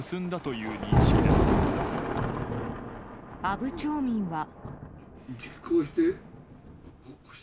阿武町民は。